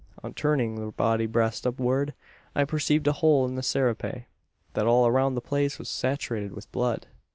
On turning the body breast upward, I perceived a hole in the serape; that all around the place was saturated with blood.